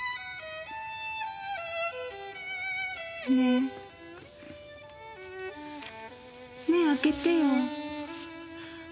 ねえ目開けてよ。